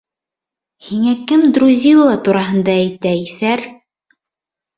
Һиңә кем Друзилла тураһында әйтә, иҫәр?